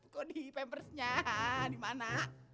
kodi pempersnya dimana